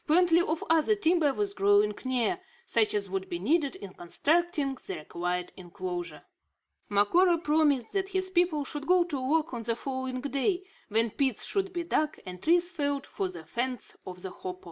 Plenty of other timber was growing near, such as would be needed in constructing the required inclosure. Macora promised that his people should go to work on the following day; when pits should be dug and trees felled for the fence of the hopo.